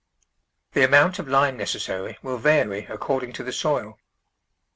The amount of lime necessary will vary accord ing to the soil.